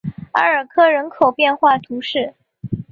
阿尔科人口变化图示